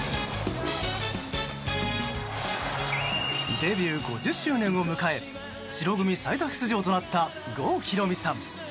デビュー５０周年を迎え白組最多出場となった郷ひろみさん。